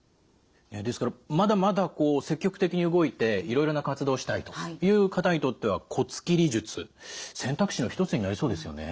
ですからまだまだ積極的に動いていろいろな活動をしたいという方にとっては骨切り術選択肢の一つになりそうですよね。